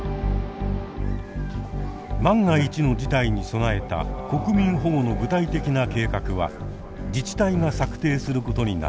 万が一の事態に備えた国民保護の具体的な計画は自治体が策定することになっています。